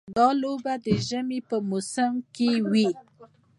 دا لوبه د ژمي په موسم کې وي.